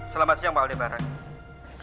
selamat siang pak aldebaran